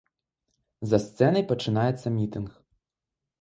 За сцэнай пачынаецца мітынг.